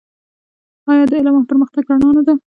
آیا د علم او پرمختګ رڼا نه ده؟